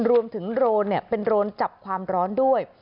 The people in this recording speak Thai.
รวมถึงโดรนเป็นโดรนจับความร้อนด้วย